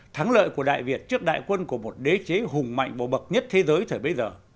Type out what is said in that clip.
thắng lợi của đại việt trước đại quân của một đế chế hùng mạnh bầu bậc nhất thế giới thời bấy giờ